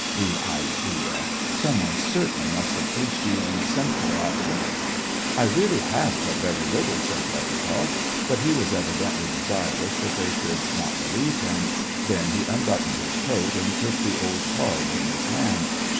The idea ! Some one certainly must have fleeced you in Simpferopol." " I really have but very little," said Kozeltzoff, but he was evidently desirous that they should not believe him ; then he unbuttoned his coat, and took the old cards in his hand.